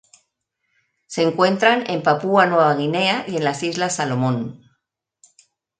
Se encuentran en Papúa Nueva Guinea y en las Islas Salomón.